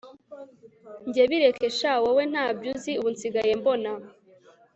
Njye bireke sha wowe ntaby uzi ubu nsigaye mbona